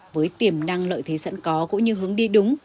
với tiềm năng lợi thế sẵn có cũng như hướng đi đúng